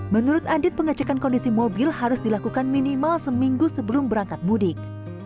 menurut adit pengecekan kondisi mobil harus dilakukan minimal seminggu sebelum berangkat mudik